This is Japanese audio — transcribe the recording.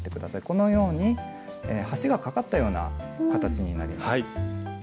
このように橋がかかったような形になります。